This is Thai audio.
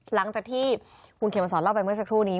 หลังจากที่คุณเขมสอนเล่าไปเมื่อสักครู่นี้